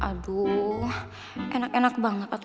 aduh enak enak banget